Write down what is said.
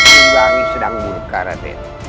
tunggangi sedang buruk